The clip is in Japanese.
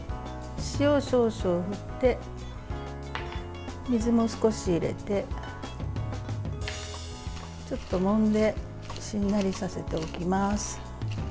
塩を少々振って、水も少し入れてちょっともんでしんなりさせておきます。